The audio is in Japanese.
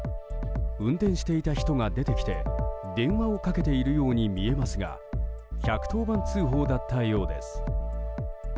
運転していた人が出てきて電話をかけているように見えますが１１０番通報だったようです。